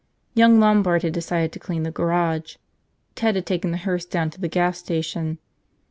Young Lombard had decided to clean the garage. Ted had taken the hearse down to the gas station.